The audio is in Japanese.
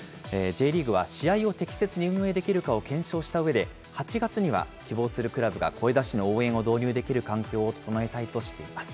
Ｊリーグは試合を適切に運営できるかを検証したうえで、８月には希望するクラブが声出しの応援の導入できる環境を整えたいとしています。